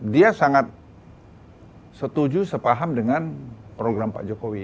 dia sangat setuju sepaham dengan program pak jokowi